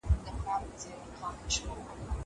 زه هره ورځ کتابونه لوستل کوم!!